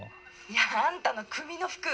「いやあんたの組の服。